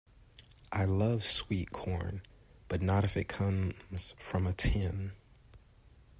I love sweetcorn, but not if it comes from a tin.